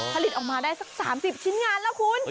ผลิตออกมาได้ประมาณ๓๐ชิ้นงานแล้ว